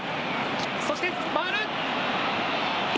そして回る！